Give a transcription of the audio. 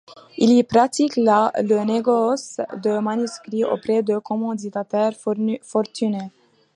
Il y pratique le négoce de manuscrits auprès de commanditaires fortunés.